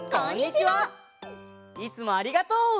いつもありがとう！